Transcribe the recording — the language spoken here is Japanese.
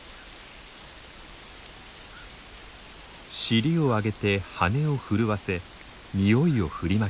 尻を上げて羽を震わせにおいを振りまきます。